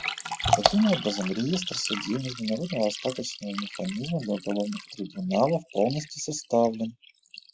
Таким образом, реестр судей Международного остаточного механизма для уголовных трибуналов полностью составлен.